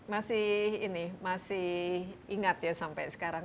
masih ini masih ingat ya sampai sekarang